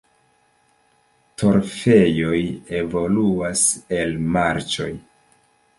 Torfejoj evoluas el marĉoj.